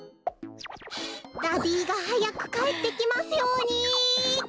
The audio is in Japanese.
ダディーがはやくかえってきますように。